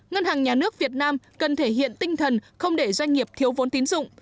ngân hàng nhà nước việt nam cần thể hiện tinh thần không để doanh nghiệp thiếu vốn tín dụng